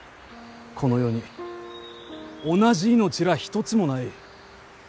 この世に同じ命らあ一つもない。